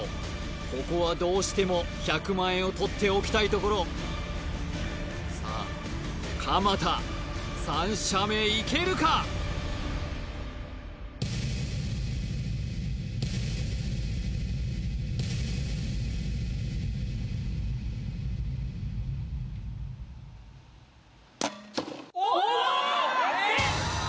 ここはどうしても１００万円をとっておきたいところさあ鎌田３射目いけるかおおっ